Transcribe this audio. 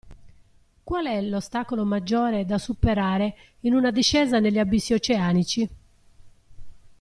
Qual è l'ostacolo maggiore da superare in una discesa negli abissi oceanici?